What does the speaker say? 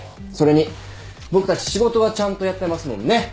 それに僕たち仕事はちゃんとやってますもんね？